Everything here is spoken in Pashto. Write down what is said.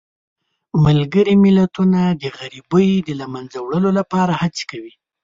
ملګري ملتونه د غریبۍ د له منځه وړلو لپاره هڅه کوي.